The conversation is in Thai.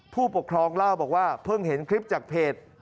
ผู้ปกครองเล่าบอกว่าเพิ่งเห็นคลิปจากเพจ